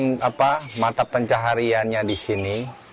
saya mencari pencaharian di sini